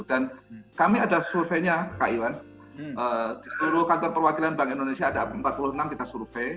dan kami ada surveinya kak iwan di seluruh kantor perwakilan bank indonesia ada empat puluh enam kita survei